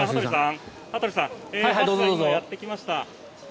羽鳥さんやってきました。